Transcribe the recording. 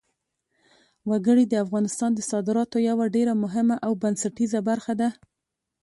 وګړي د افغانستان د صادراتو یوه ډېره مهمه او بنسټیزه برخه ده.